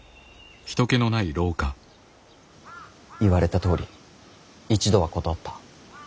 言われたとおり一度は断った。